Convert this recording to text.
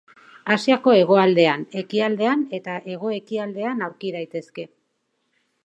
Asiako hegoaldean, ekialdean eta hego-ekialdean aurki daitezke.